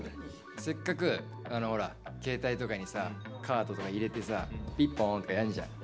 せっかく携帯とかにさカードとか入れてさピンポーンとかやるじゃん。